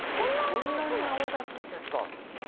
そんなに泡立つんですか！